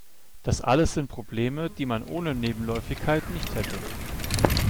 Das alles sind Probleme, die man ohne Nebenläufigkeit nicht hätte.